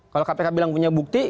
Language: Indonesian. kalau kpk bilang punya bukti